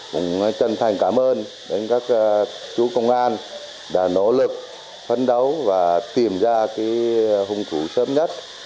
cũng chân thành cảm ơn đến các chú công an đã nỗ lực phấn đấu và tìm ra hung thủ sớm nhất